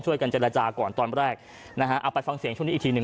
เจรจาก่อนตอนแรกนะฮะเอาไปฟังเสียงช่วงนี้อีกทีหนึ่ง